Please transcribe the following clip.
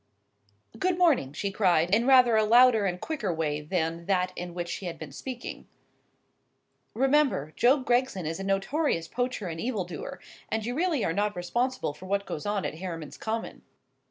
"Good morning!" she cried, in rather a louder and quicker way than that in which she had been speaking. "Remember, Job Gregson is a notorious poacher and evildoer, and you really are not responsible for what goes on at Hareman's Common."